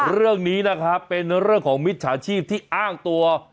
เรื่องนี้นะครับเป็นเรื่องของมิจฉาชีพที่อ้างตัว